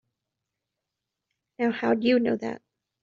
Now how'd you know that?